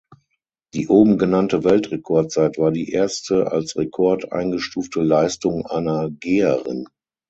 Die oben genannte Weltrekordzeit war die erste als Rekord eingestufte Leistung einer Geherin.